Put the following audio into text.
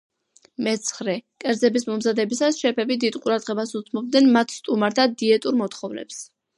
მეცხრე, კერძების მომზადებისას შეფები დიდ ყურადღებას უთმობდნენ მათ სტუმართა დიეტურ მოთხოვნებს.